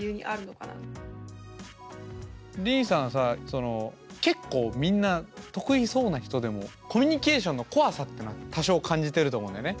その結構みんな得意そうな人でもコミュニケーションの怖さっていうのは多少感じてると思うんだよね